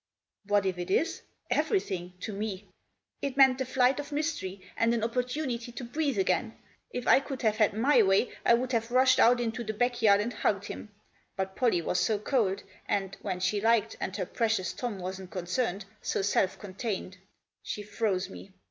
What if it is ? Everything — to me. It meant the flight of mystery, and an opportunity to breathe again. If I could have had my way I would have rushed out into the back yard and hugged him. But Pollie was so cold, and — when she liked and her precious Tom wasn't concerned — so self contained. She froze me.